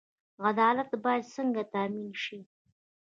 عدالت باید څنګه تامین شي؟